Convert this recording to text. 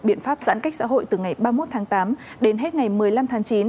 biện pháp giãn cách xã hội từ ngày ba mươi một tháng tám đến hết ngày một mươi năm tháng chín